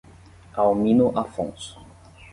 Almino Afonso